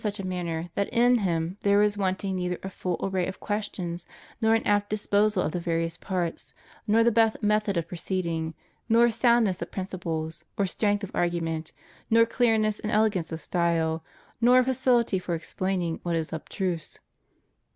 49 such a manner that in him there is wanting neither a full array of questions, nor an apt disposal of the various parts, nor the best method of proceeding, nor soundness of principles or strength of argument, nor clearness and elegance of style, nor a faciUty for explaining what is abstruse.